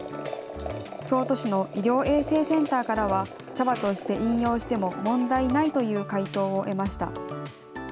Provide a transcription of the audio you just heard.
京都市の医療衛生センターからは、茶葉として飲用しても問題ないという回答を得ました。